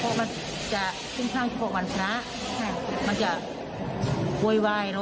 ก็จะหว่ายร้มโบนในบ้านคนเดียว